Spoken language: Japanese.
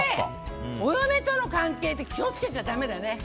お嫁との関係で気を付けちゃだめだね！